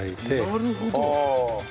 なるほど。